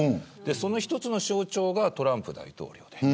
その一つの象徴がトランプ大統領です。